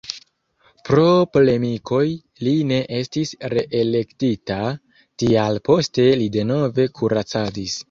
Pro polemikoj li ne estis reelektita, tial poste li denove kuracadis.